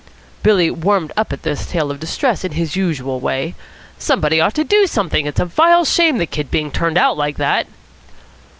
Billy warmed up at this tale of distress in his usual way. "Somebody ought to do something. It's a vile shame the kid being turned out like that."